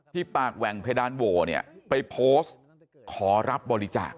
ที่ปากแหว่งเพดานโบไปโพสต์ขอรับบริจาค